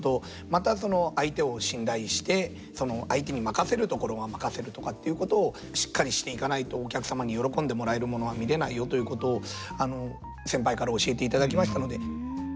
またその相手を信頼してその相手に任せるところは任せるとかっていうことをしっかりしていかないとお客様に喜んでもらえるものは見れないよということを先輩から教えていただきましたので。